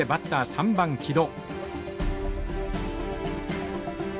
３番木戸。